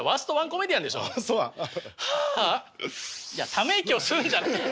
ため息を吸うんじゃねえよ！